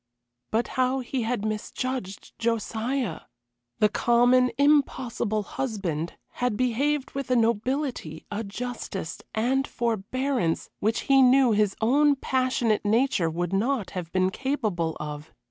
But how he had misjudged Josiah! The common, impossible husband had behaved with a nobility, a justice, and forbearance which he knew his own passionate nature would not have been capable of.